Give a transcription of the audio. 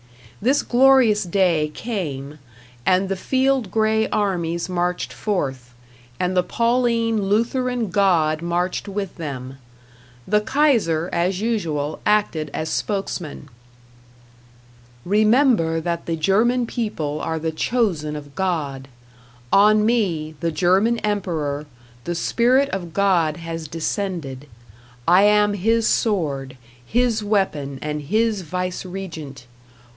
This glorious day came, and the field gray armies marched forth, and the Pauline Lutheran God marched with them. The Kaiser, as usual, acted as spokesman: Remember that the German people are the chosen of God. On me, the German emperor, the spirit of God has descended. I am His sword, His weapon and His viceregent.